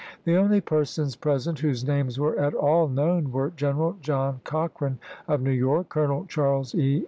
The only persons present whose names were at all known were General John Cochrane of New York ; Colonel Charles E.